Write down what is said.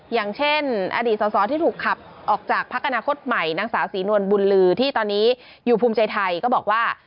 อย่างเช่นอดีตสอสอที่ถูกขับออกจากพักอนาคตใหม่นางสาวศรีนวลบุญลือที่ตอนนี้อยู่ภูมิใจไทยก็บอกว่า